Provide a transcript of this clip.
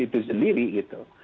itu sendiri itu